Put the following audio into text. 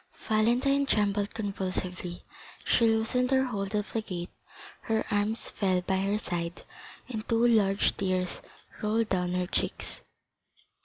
30333m Valentine trembled convulsively; she loosened her hold of the gate, her arms fell by her side, and two large tears rolled down her cheeks.